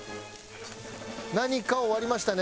何かを割りましたね。